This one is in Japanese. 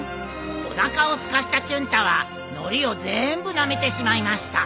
「おなかをすかしたチュン太はのりを全部なめてしまいました」